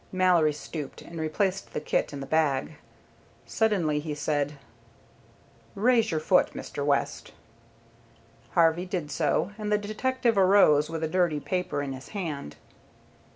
Mallory stooped, and replaced the kit in the bag. Suddenly he said, "Raise your foot, Mr. West." Harvey did so, and the detective arose with a dirty paper in his hand.